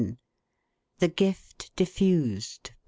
THK GIFT DIFFUSED.